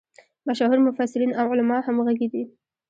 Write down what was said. مشهور مفسرین او علما همغږي دي.